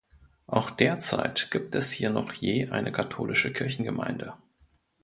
Auch derzeit gibt es hier noch je eine katholische Kirchengemeinde.